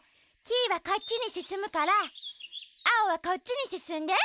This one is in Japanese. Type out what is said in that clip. キイはこっちにすすむからアオはこっちにすすんで。